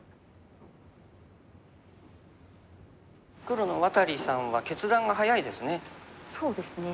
黒の渡利さんは決断が早いですね。